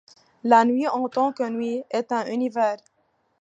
La nuit, en tant que nuit, est un univers.